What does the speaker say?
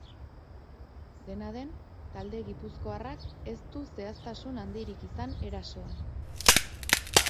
Dena den, talde gipuzkoarrak ez du zehaztasun handirik izan erasoan.